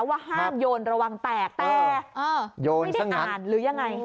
ว่าห้ามโยนระวังแตกแต่ไม่ได้อ่านหรือยังไง